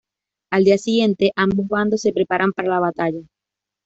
Al día siguiente, ambos bandos se preparan para la batalla.